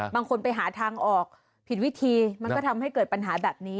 บางคนไปหาทางออกผิดวิธีมันก็ทำให้เกิดปัญหาแบบนี้